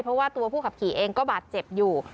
เพราะว่าตัวผู้ขับขี่เองก็บาดเจ็บอยู่